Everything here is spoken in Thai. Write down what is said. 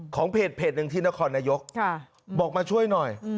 เพจหนึ่งที่นครนายกบอกมาช่วยหน่อย